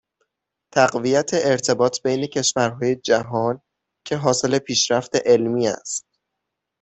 تقویت ارتباط بین کشورهای جهان که حاصل پیشرفت علمی است